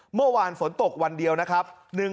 เมื่อวานฝนตกวันเดียวนะครับ